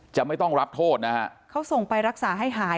ไม่ต้องรับโทษนะฮะเขาส่งไปรักษาให้หาย